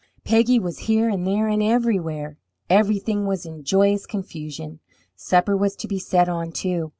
Peggy was here and there and everywhere. Everything was in joyous confusion. Supper was to be set on, too.